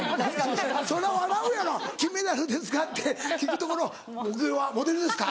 そりゃ笑うやろ「金メダルですか」って聞くところを「目標はモデルですか」。